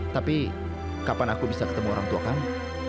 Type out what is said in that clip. tapi kapan aku bisa ketemu orang tua kami